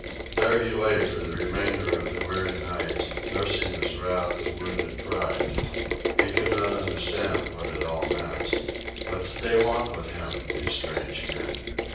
There he lay for the remainder of the weary night, nursing his wrath and wounded pride. He could not understand what it all meant. What did they want with him, these strange men?